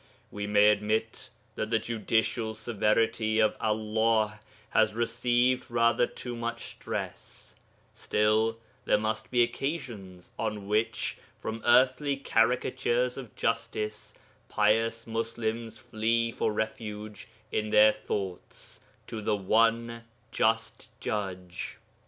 We may admit that the judicial severity of Allah has received rather too much stress; still there must be occasions on which, from earthly caricatures of justice pious Muslims flee for refuge in their thoughts to the One Just Judge.